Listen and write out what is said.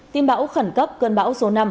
tìm bão khẩn cấp cơn bão số năm